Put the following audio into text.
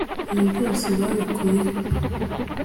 ibi byose babikuye he